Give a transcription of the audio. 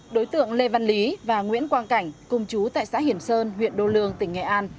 đối tượng lê văn lý và nguyễn quang cảnh cùng chú tại xã hiểm sơn huyện đô lương tỉnh nghệ an